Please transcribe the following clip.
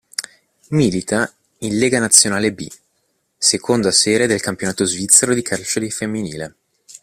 Milita in Lega Nazionale B, seconda serie del campionato svizzero di calcio femminile.